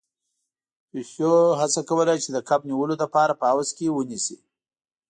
پيشو هڅه کوله چې د کب نيولو لپاره په حوض کې ونيسي.